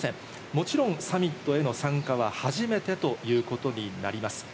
もちろんサミットへの参加は初めてということになります。